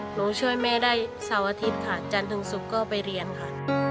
ช่วยแม่ได้เสาร์อาทิตย์ค่ะจันทร์ถึงศุกร์ก็ไปเรียนค่ะ